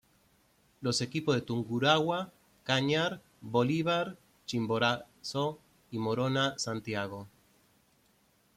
Los equipos de Tungurahua, Cañar, Bolívar, Chimborazo y Morona Santiago.